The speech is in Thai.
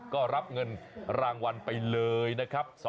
ก็รับเงินรางวัลไปเลยนะครับ